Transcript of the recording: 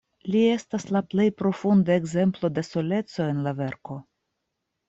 Li estas la plej profunda ekzemplo de soleco en la verko.